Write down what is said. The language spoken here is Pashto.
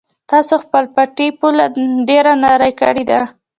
تاسو د خپل پټي پوله ډېره نرۍ کړې ده.